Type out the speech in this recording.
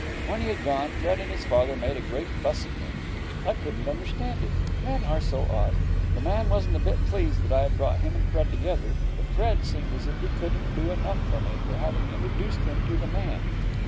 When he had gone, Fred and his father made a great fuss of me. I couldn't understand it. Men are so odd. The man wasn't a bit pleased that I had brought him and Fred together, but Fred seemed as if he couldn't do enough for me for having introduced him to the man.